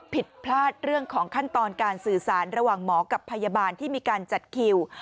ผิดพลาดเรื่องของขั้นตอนการสื่อสารระหว่างหมอกับพยาบาลที่มีการจัดคิว